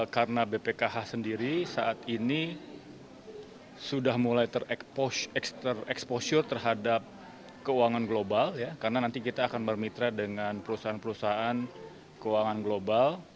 karena bpkh sendiri saat ini sudah mulai tereksposur terhadap keuangan global karena nanti kita akan bermitra dengan perusahaan perusahaan keuangan global